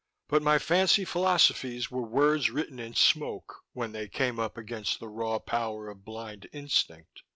But my fancy philosophies were words written in smoke when they came up against the raw power of blind instinct.